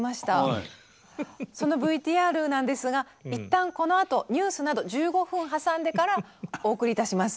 そのＶＴＲなんですが一旦このあとニュースなど１５分挟んでからお送りいたします。